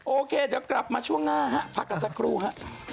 โอเคเดี๋ยวกลับมาช่วงหน้าฮะพักกันสักครู่ฮะ